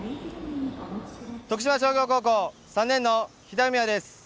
徳島商業高校３年の飛弾郁哉です。